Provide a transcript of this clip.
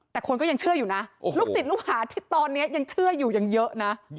แต่คนก็ยังเชื่ออยู่นะลูกศิษย์ลูกหาที่ตอนนี้ยังเชื่ออยู่ยังเยอะนะ